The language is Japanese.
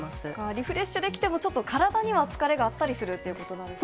リフレッシュできても、ちょっと体には疲れがあったりするってことなんですか。